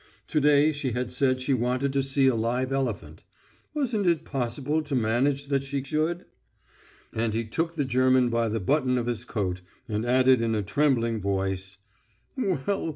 To day she had said she wanted to see a live elephant. Wasn't it possible to manage that she should? And he took the German by the button of his coat, and added in a trembling voice: "Well